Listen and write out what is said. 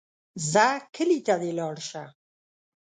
ځه کلي ته دې لاړ شه.